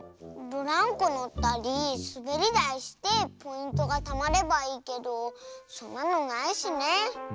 ブランコのったりすべりだいしてポイントがたまればいいけどそんなのないしね。